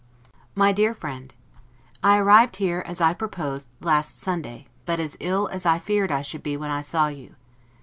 MY DEAR FRIEND: I arrived here, as I proposed, last Sunday; but as ill as I feared I should be when I saw you.